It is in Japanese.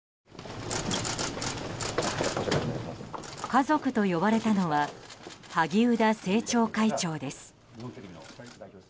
家族と呼ばれたのは萩生田政調会長です。